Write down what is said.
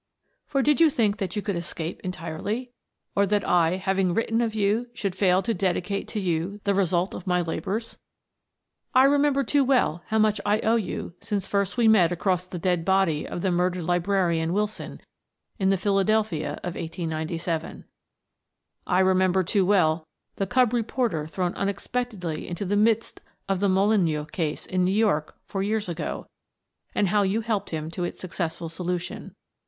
For did you think that you could escape en tirely? Or that I, having* written of you, should fail to dedicate to you the result of my labours? VI To Frances Baird I remember too well how much I owe you since first we met across the dead body of the murdered librarian Wilson, in the Philadelphia of 1897. I remember too well the cub reporter thrown unex pectedly into the midst of the Molineux case in New York four years ago, and how you helped him to its successful solution.